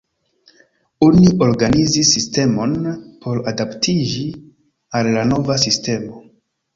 Oni organizis sistemon por adaptiĝi al la nova sistemo.